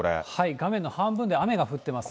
画面の半分で雨が降ってますね。